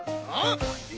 あっ？